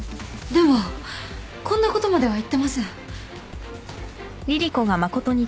でもこんなことまでは言ってません。